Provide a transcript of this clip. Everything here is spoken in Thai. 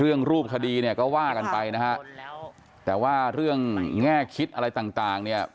รูปคดีเนี่ยก็ว่ากันไปนะฮะแต่ว่าเรื่องแง่คิดอะไรต่างต่างเนี่ย